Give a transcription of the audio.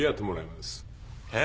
えっ！？